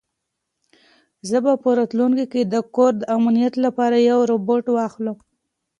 زه به په راتلونکي کې د کور د امنیت لپاره یو روبوټ واخلم.